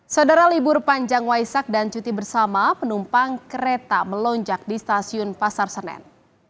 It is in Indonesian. saudara libur panjang waisak dan cuti bersama penumpang kereta melonjak di stasiun pasar senen